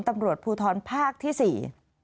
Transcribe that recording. ตำรวจภูทรภาคที่สี่